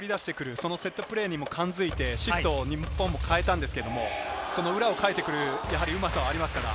そのセットプレーに感づいて、シフトを日本も変えたんですが、裏をかいてくるうまさはありますよね。